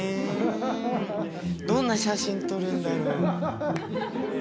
どんな写真撮るんだろう？